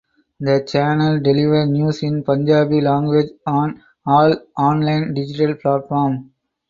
The channel deliver news in Punjabi Language on all online digital Platform.